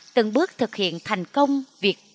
từng bước thực hiện thành công việc